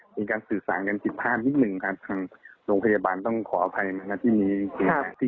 มีการสื่อสารกัน๑๕นิดหนึ่งโรงพยาบาลต้องขออภัยมันนักที่มีเกียรติ